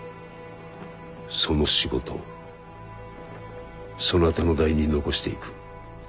その仕事そなたの代に残していく。